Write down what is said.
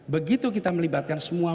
begitu kita melibatkan semua